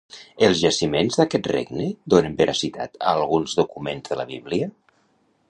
Els jaciments d'aquest regne donen veracitat a alguns documents de la Bíblia?